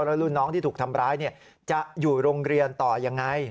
แล้วรุ่นน้องที่ถูกทำร้ายจะอยู่โรงเรียนต่อยังไง